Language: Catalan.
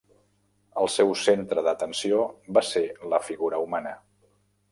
El seu centre d'atenció va ser la figura humana.